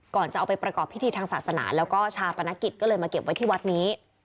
จะเอาไปประกอบพิธีทางศาสนาแล้วก็ชาปนกิจก็เลยมาเก็บไว้ที่วัดนี้